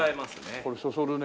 これそそるね。